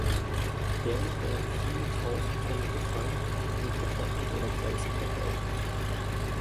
Jährlich werden viele tausend Tonnen gefangen, und getrocknet oder gesalzen verkauft.